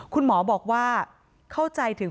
คุณหมอบอกว่าเข้าใจถึง